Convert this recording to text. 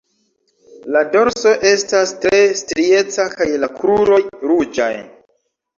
La dorso estas tre strieca kaj la kruroj ruĝaj.